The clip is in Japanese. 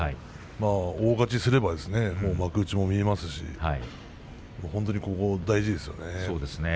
大勝ちすれば幕内も見えますし大事ですね。